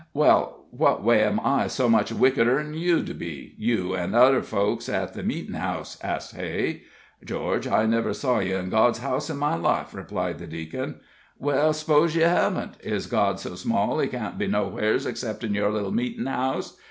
"Well, what way am I so much wickeder 'n you be you an' t'other folks at the meetin' house?" asked Hay. "George, I never saw ye in God's house in my life," replied the Deacon. "Well, s'pose ye hevn't is God so small He can't be nowheres 'xcept in your little meetin' house?